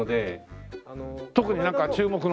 特になんか注目の。